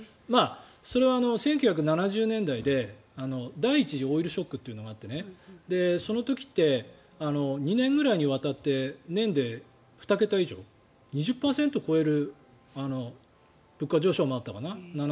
それは１９７０年代で第１次オイルショックがあってその時って２年ぐらいにわたって年で２桁以上２０％を超える物価上昇もあったかな？